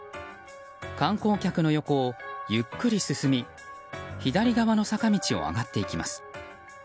観光客の横をゆっくり進み左側の坂道を上がっていきます。